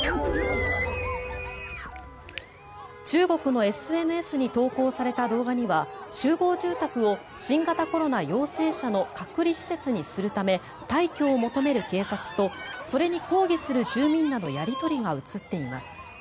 中国のＳＮＳに投稿された動画には集合住宅を新型コロナ陽性者の隔離施設にするため退去を求める警察とそれに抗議する住民らのやり取りが映っています。